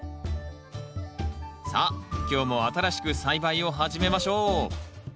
さあ今日も新しく栽培を始めましょう